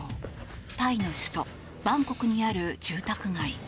タイの首都バンコクにある住宅街。